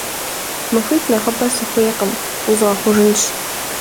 МахуитӀ нэхъыбэ сыхуейкъым, узгъэхъужынщ.